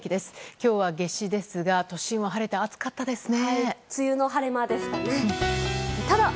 今日は夏至ですが都心は晴れて暑かったですね。